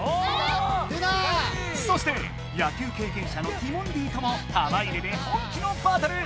そして野球経験者のティモンディとも玉入れで本気のバトル！